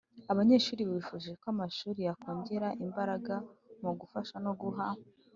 Abanyeshuri bifuje ko amashuri yakongera imbaraga mu gufasha no guha